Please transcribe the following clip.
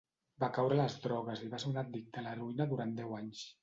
Va caure a les drogues i va ser un addicte a l'heroïna durant deu anys.